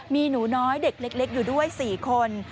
มีหนูน้อยเด็กเล็กอยู่ด้วย๔คน